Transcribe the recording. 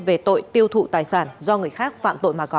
về tội tiêu thụ tài sản do người khác phạm tội mà có